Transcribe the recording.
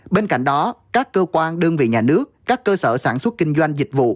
bên cạnh đó các cơ quan đơn vị nhà nước các cơ sở sản xuất kinh doanh dịch vụ